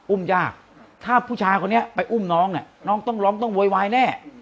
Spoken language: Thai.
ยากถ้าผู้ชายคนนี้ไปอุ้มน้องเนี่ยน้องต้องร้องต้องโวยวายแน่